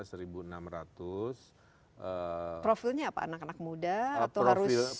profilnya apa anak anak muda atau harus